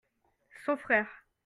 son frère.